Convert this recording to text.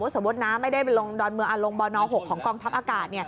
สมมุตินะไม่ได้ลงบอนอล๖ของกองทัพอากาศ